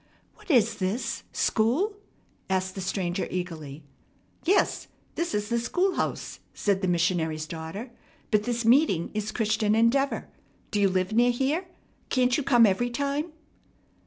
"What is this? School?" asked the stranger eagerly. "Yes, this is the schoolhouse," said the missionary's daughter; "but this meeting is Christian Endeavor. Do you live near here? Can't you come every time?"